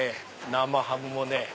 生ハムもね